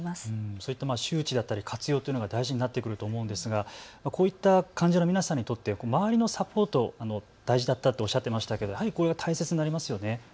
そういった周知だったり活用というのが大事になってくると思うんですがこういった患者の皆さんにとって周りのサポート、大事だとおっしゃっていましたがやはりこれは大切になりますよね。